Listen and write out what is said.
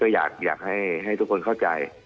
อยากให้ทุกคนเข้าใจ